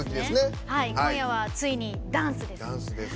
今夜はついにダンスです。